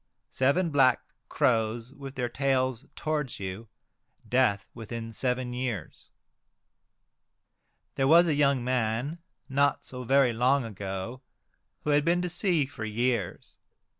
Seven black crows with their tails towards you, death within seven years. There was a young man, not so very long ago, who had been to sea for years.